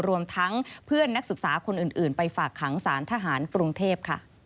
รวมทั้งเพื่อนนักศึกษาคนอื่นไปฝากขังสารทหารกรุงเทพ